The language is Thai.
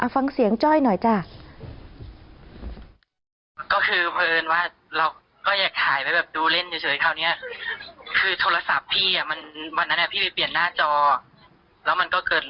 ฟังเสียงจ้อยหน่อยจ้ะ